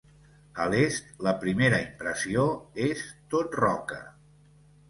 A l'est, la primera impressió és tot roca.